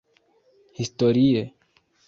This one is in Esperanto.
Historie